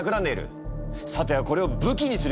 さてはこれを武器にする気だな？